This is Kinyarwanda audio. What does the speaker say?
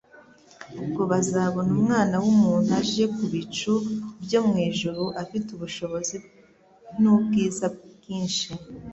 ubwo azabona Umwana w'umuntu aje ku bicu byo mu ijuru afite ubushobozi n'ubwiza bwinshi.